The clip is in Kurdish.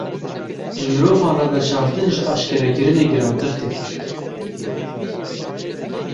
Ji mirovan re veşartin ji eşkerekirinê girantir tê.